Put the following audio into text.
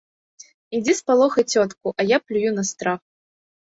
Ідзі спалохай цётку, а я плюю на страх.